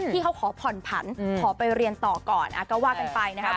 ที่เขาขอผ่อนผันขอไปเรียนต่อก่อนก็ว่ากันไปนะครับ